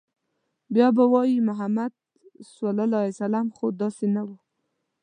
بيا به وايي، محمد ص خو داسې نه و